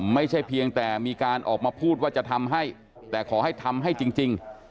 ไม่ใช่เพียงแต่มีการออกมาพูดว่าจะทำให้แต่ขอให้ทำให้จริง